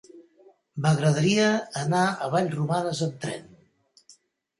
M'agradaria anar a Vallromanes amb tren.